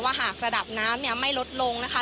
หากระดับน้ำเนี่ยไม่ลดลงนะคะ